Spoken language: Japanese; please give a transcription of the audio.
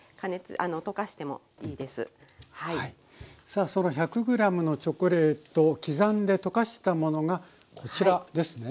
さあその１００ｇのチョコレートを刻んで溶かしたものがこちらですね。